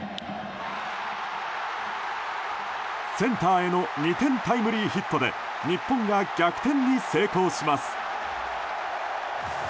センターへの２点タイムリーヒットで日本が逆転に成功します。